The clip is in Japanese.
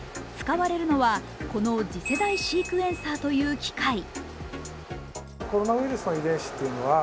使われるのは、この次世代シークエンサーという機械。